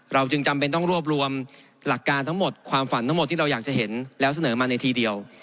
จึงจำเป็นต้องรวบรวมหลักการทั้งหมดความฝันทั้งหมดที่เราอยากจะเห็นแล้วเสนอมาในทีเดียว